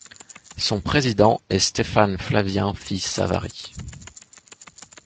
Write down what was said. Son président est Stefan Flavien Phi Savary.